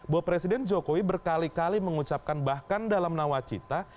bahwa presiden jokowi berkali kali mengucapkan bahkan dalam nawacita